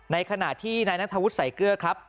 ในขณะที่นายนัทธวุฒิใส่เกลือครับ